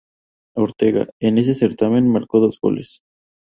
Ortega, en este certamen, marcó dos goles.